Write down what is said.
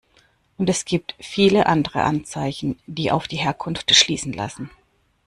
Und es gibt viele andere Anzeichen, die auf die Herkunft schließen lassen.